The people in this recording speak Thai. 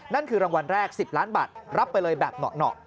นั่นคือรางวัลแรก๑๐ล้านบาทรับไปเลยแบบเหนาะ